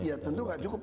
iya tentu gak cukup